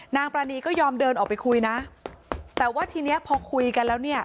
ปรานีก็ยอมเดินออกไปคุยนะแต่ว่าทีเนี้ยพอคุยกันแล้วเนี่ย